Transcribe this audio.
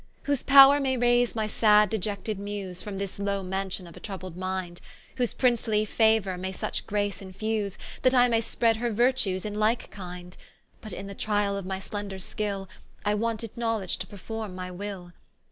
Whose powre may raise my sad deiected Muse, From this lowe Mansion of a troubled mind; Whose princely fauour may such grace infuse, That I may spread Her Virtues in like kind: But in the triall of my slender skill, I wanted knowledge to performe my will.